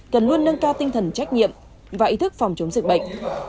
cần luôn nâng cao tinh thần trách nhiệm và ý thức phòng chống dịch bệnh